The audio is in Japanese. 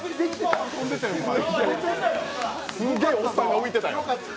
すげえおっさん伸びてたよ。